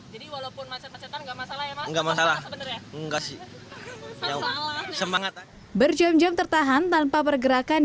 jadi walaupun masalah enggak masalah enggak sih semangat berjam jam tertahan tanpa pergerakan